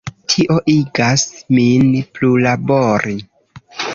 Tio igas min plulabori.